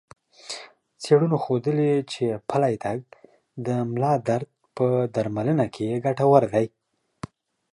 څېړنو ښودلي چې پلی تګ د ملا درد په درملنه کې ګټور دی.